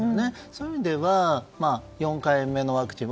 そういう意味では４回目のワクチン。